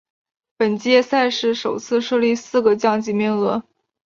本届赛事首次设立四个降级名额。